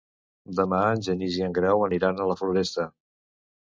Demà en Genís i en Grau aniran a la Floresta.